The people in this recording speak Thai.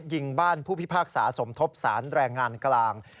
ยิงบ้านผู้พิพากษาสมทบสารแรงงานกลาง